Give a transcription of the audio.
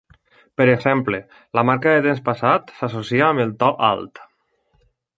Per exemple, la marca de temps passat s'associa amb el to alt.